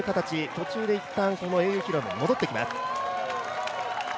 途中でいったんこの英雄広場に戻ってきます。